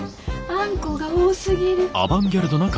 あんこが多すぎる。